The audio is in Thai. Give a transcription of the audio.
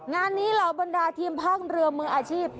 งานนี้เหล่าบรรดาทีมภาคเรือมืออาชีพ